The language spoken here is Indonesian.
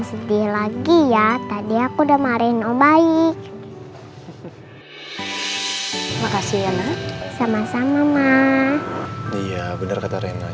gue gak mau kejar reina